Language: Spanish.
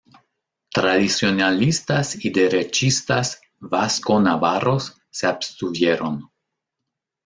Tradicionalistas y derechistas vasco-navarros se abstuvieron.